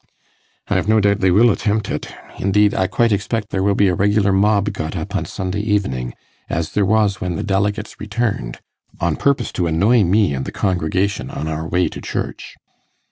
'I've no doubt they will attempt it; indeed, I quite expect there will be a regular mob got up on Sunday evening, as there was when the delegates returned, on purpose to annoy me and the congregation on our way to church.